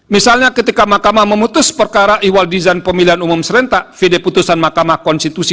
misalnya ketika mahkamah memutus perkara iwal dizan pemilihan umum serentak